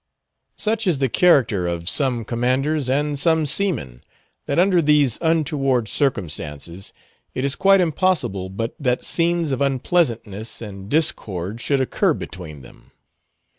Such is the character of some commanders and some seamen, that under these untoward circumstances, it is quite impossible but that scenes of unpleasantness and discord should occur between them.